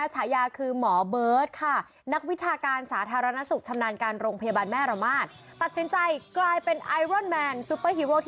แจกหน้ากากอนามัยปราบไวรัสโควิด๑๙